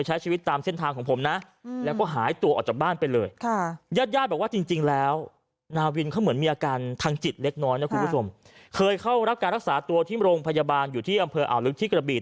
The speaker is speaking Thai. สิทธิ์เล็กน้อยนะครับคุณผู้สมเคยเข้ารับการรักษาตัวที่โมโลงพยาบาลอยู่ที่อำเภออ่านลึกที่กระบีต